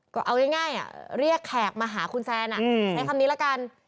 ก็เอาง่ายเรียกแขกมาหาคุณแซนใช้คำนี้ละกัน